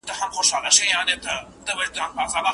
له ظالمه که مظلوم په راحت نه وي